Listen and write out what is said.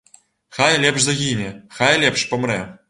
Хай лепш загіне, хай лепш памрэ.